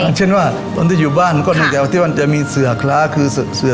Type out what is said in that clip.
อย่างเช่นว่าตอนที่อยู่บ้านก้อนแหน่วที่จะมีเสือข้าคือส่วนชนเต้น